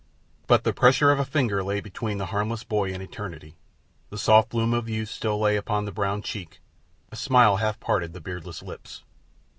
But the pressure of a finger lay between the harmless boy and eternity. The soft bloom of youth still lay upon the brown cheek, a smile half parted the beardless lips.